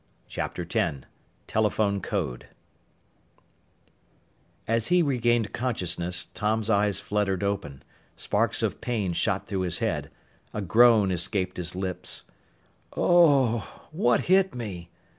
CHAPTER X TELEPHONE CODE As he regained consciousness, Tom's eyes fluttered open. Sparks of pain shot through his head. A groan escaped his lips. "Oo o! What hit me?"